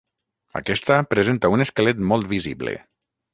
Aquesta presenta un esquelet molt visible.